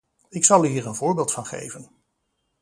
Ik zal u hier een voorbeeld van geven.